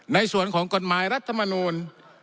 ในส่วนของกฎหมายรัฐมนูล